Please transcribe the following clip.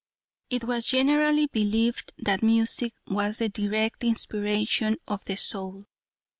It was generally believed that music was the direct inspiration of the soul.